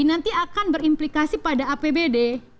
nanti akan berimplikasi pada apbd